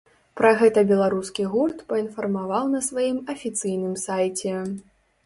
Пра гэта беларускі гурт паінфармаваў на сваім афіцыйным сайце.